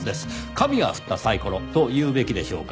神が振ったサイコロと言うべきでしょうか。